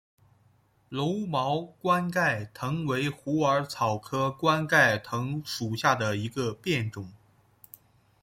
柔毛冠盖藤为虎耳草科冠盖藤属下的一个变种。